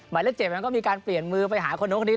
เลข๗มันก็มีการเปลี่ยนมือไปหาคนนู้นคนนี้